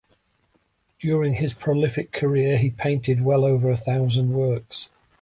During his prolific career he painted well over a thousand works.